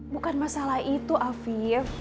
bukan masalah itu arvif